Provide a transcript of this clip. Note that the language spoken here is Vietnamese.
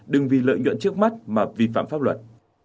đừng vì lợi nhuận trước mắt mà vi phạm pháp luật